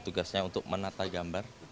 tugasnya untuk menata gambar